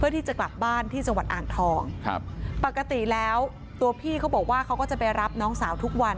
ที่จะกลับบ้านที่จังหวัดอ่างทองครับปกติแล้วตัวพี่เขาบอกว่าเขาก็จะไปรับน้องสาวทุกวัน